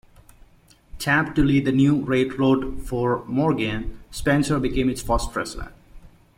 Tapped to lead the new railroad for Morgan, Spencer became its first president.